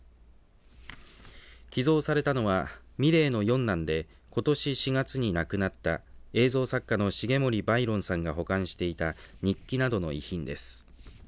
寄贈されたのは三玲の４男でことし４月に亡くなった映像作家の重森貝崙さんが保管していた日記などの遺品です。